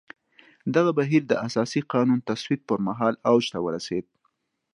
دغه بهیر د اساسي قانون تصویب پر مهال اوج ته ورسېد.